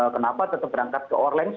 kenapa tetap berangkat ke online